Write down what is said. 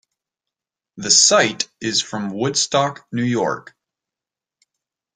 The site is from Woodstock, New York.